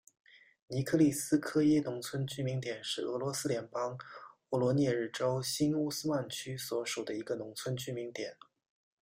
尼科利斯科耶农村居民点是俄罗斯联邦沃罗涅日州新乌斯曼区所属的一个农村居民点。